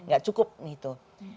ga cukup gitu